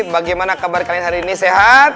bagaimana kabar kalian hari ini sehat